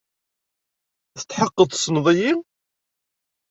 Tetḥeqqeḍ tessneḍ-iyi?